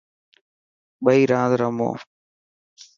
ٻئي راند رمو.